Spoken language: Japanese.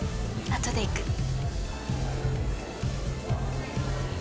あとで行く。